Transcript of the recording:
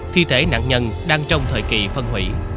thi thể nạn nhân đang trong thời kỳ phân hủy